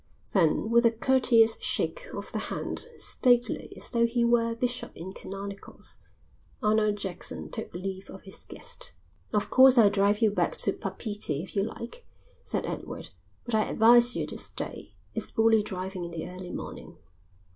Then with a courteous shake of the hand, stately as though he were a bishop in canonicals, Arnold Jackson took leave of his guest. "Of course I'll drive you back to Papeete if you like," said Edward, "but I advise you to stay. It's bully driving in the early morning."